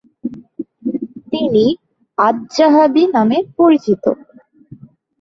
তিনি আয-যাহাবী নামে পরিচিত।